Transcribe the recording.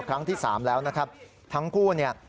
ครั้งที่สามแล้วนะครับทั้งคู่เนี่ย